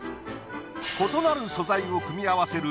異なる素材を組み合わせる